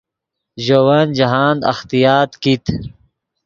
ژے ون جاہند اختیاط کیت